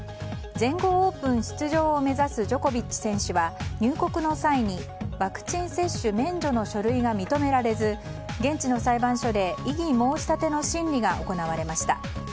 全豪オープン出場を目指すジョコビッチ選手は入国の際にワクチン接種免除の書類が認められず、現地の裁判所で異議申し立ての審理が行われました。